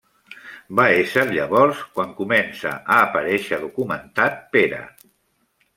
Va ésser llavors quan comença a aparèixer documentat Pere.